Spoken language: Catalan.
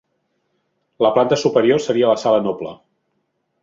La planta superior seria la sala noble.